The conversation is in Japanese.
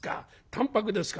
淡泊ですか。